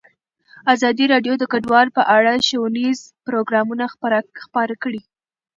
ازادي راډیو د کډوال په اړه ښوونیز پروګرامونه خپاره کړي.